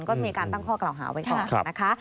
ก็มีการตั้งข้อกล่าวหาไว้ก่อนนะคะ